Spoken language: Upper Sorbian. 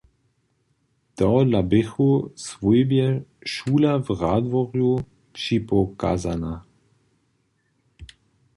Tohodla běchu swójbje šula w Radworju připokazana.